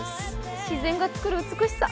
自然が作る美しさ。